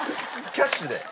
キャッシュで。